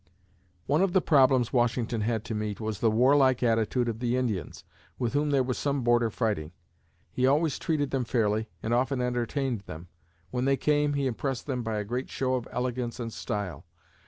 One of the problems Washington had to meet was the warlike attitude of the Indians, with whom there was some border fighting. He always treated them fairly and often entertained them. When they came, he impressed them by a great show of elegance and style.